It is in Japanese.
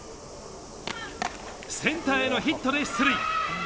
センターへのヒットで出塁。